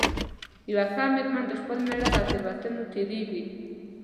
یوه ښه مېرمنه د خپل مېړه له تېروتنو تېرېږي.